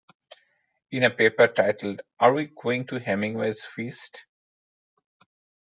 In a paper titled Are We Going to Hemingway's Feast?